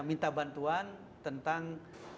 minta bantuan tentang